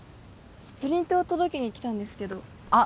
プリントを届けに来たんですけどあっ